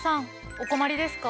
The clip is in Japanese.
お困りですか？